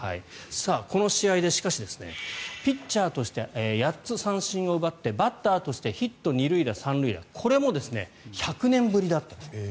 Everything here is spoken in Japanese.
この試合で、しかしですねピッチャーとして８つ三振を奪ってバッターとしてヒット、２塁打、３塁打これも１００年ぶりだと。